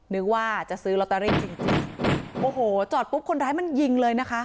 นึกว่าจะซื้อลอตเตอรี่จริงจริงโอ้โหจอดปุ๊บคนร้ายมันยิงเลยนะคะ